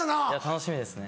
楽しみですね。